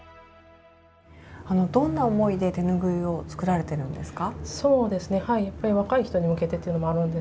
どんな思いで手ぬぐいを作られてるんですか？